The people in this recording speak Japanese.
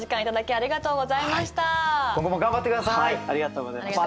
ありがとうございます。